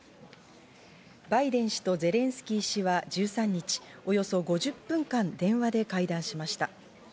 バイデン氏とゼレンスキー氏は１３日、およそ５０分間、電話で会談しました。